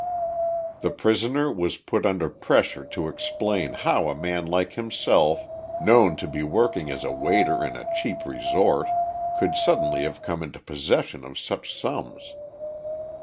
The prisoner was put under pressure to explain how a man like himself, known to be working as a waiter in a cheap resort, could suddenly have come into possession of such sums.